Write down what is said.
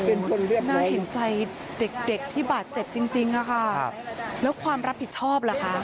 น่าเห็นใจเด็กเด็กที่บาดเจ็บจริงจริงอะค่ะแล้วความรับผิดชอบล่ะคะ